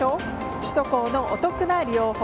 首都高のお得な利用法。